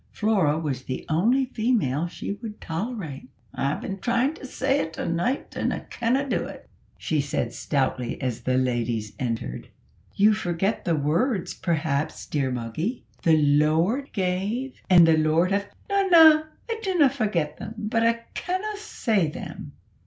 Flora was the only female she would tolerate. "I've been tryin' to say't a' night an' I canna do't!" she said stoutly, as the ladies entered. "You forget the words, perhaps, dear Moggy `The Lord gave, and the Lord hath '" "Na, na, I dinna forget them, but I canna say them."